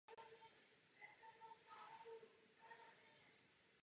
Na Říšské radě patřil do poslanecké frakce Polský klub.